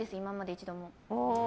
一度も。